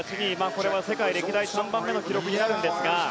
これは世界歴代３番目の記録になるんですが。